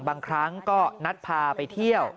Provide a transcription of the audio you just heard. บางครั้งก็นัดพาไปเที่ยว